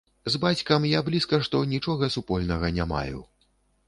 З бацькам я блізка што нічога супольнага не маю.